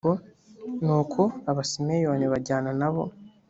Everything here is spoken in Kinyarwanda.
Nuko Abasimeyoni bajyana na bo